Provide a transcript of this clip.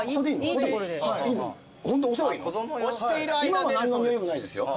今は何のにおいもないですよ。